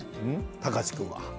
貴司君は。